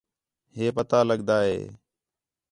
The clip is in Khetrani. ہِے پتا لڳدا ہِے